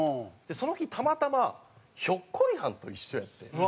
その日たまたまひょっこりはんと一緒やって。